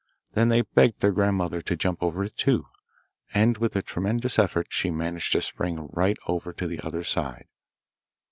Then they begged their grandmother to jump over it too, end with a tremendous effort she managed to spring right over to the other side.